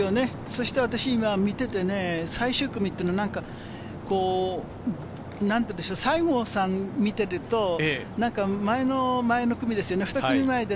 そして私見ていて、最終組っていうのは何か、西郷さんを見てると、前の前の組ですよね。